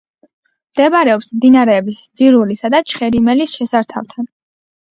მდებარეობს მდინარეების ძირულისა და ჩხერიმელის შესართავთან.